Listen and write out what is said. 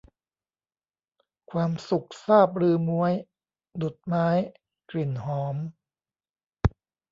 ความสุขซาบฤๅม้วย ดุจไม้กลิ่นหอม